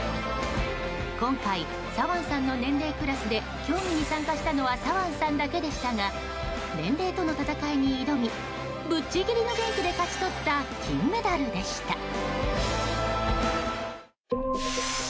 今回、サワンさんの年齢クラスで競技に参加したのはサワンさんだけでしたが年齢との戦いに挑みぶっちぎりの元気で勝ち取った金メダルでした。